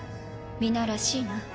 皆らしいな。